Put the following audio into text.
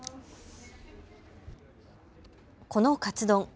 このカツ丼。